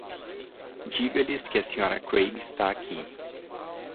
Diga-lhes que a Sra. Craig está aqui.